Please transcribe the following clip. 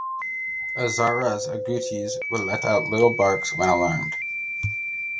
Azara's agoutis will let out little barks when alarmed.